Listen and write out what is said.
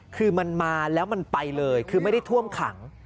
คือมันมาแล้วมันไปเลยคือไม่ได้ท่วมขัง